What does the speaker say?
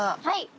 はい。